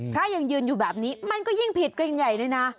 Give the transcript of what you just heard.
พระยังยืนอยู่แบบนี้มันก็ยิ่งผิดกันใหญ่เลยนะ